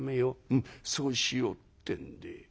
「うんそうしよう」ってんで。